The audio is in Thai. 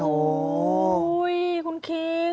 โอ้คุณเค้ง